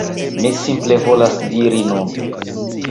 Mi simple volas diri nun